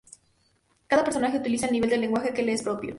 Cada personaje utiliza el nivel del lenguaje que le es propio.